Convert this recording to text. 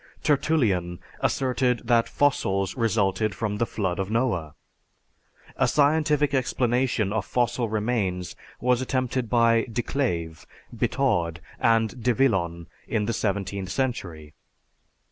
Tertullian asserted that fossils resulted from the flood of Noah. A scientific explanation of fossil remains was attempted by De Clave, Bitaud, and De Villon in the seventeenth century.